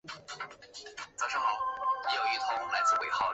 结果帕欧拉便开始笑。